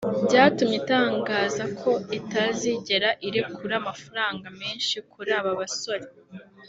byatumye itangaza ko itazigera irekura amafaranga menshi kuri aba basore